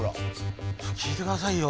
聞いてくださいよ。